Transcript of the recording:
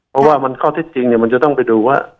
เพราะว่าข้อเท็จจริงเนี่ยมันจะต้องไปดูว่า